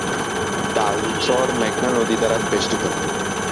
ডাল চর মেঘনা নদী দ্বারা বেষ্টিত।